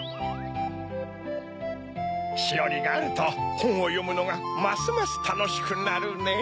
しおりがあるとほんをよむのがますますたのしくなるねぇ。